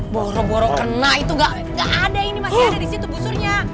boro boro kena itu gak ada ini masih ada di situ busurnya